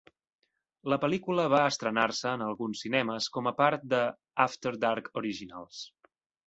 La pel·lícula va estrenar-se en alguns cinemes com a part de "After Dark Originals".